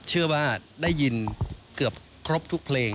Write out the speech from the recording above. เชื่อว่าได้ยินเกือบครบทุกเพลง